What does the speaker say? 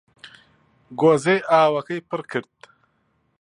گۆزەی ئاوەکەی پڕ کرد